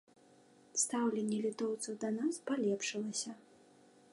Стаўленне літоўцаў да нас палепшылася.